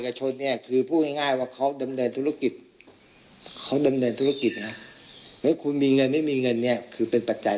ก็คือศัตริยธรรมจัญญาบันมันไม่ใช่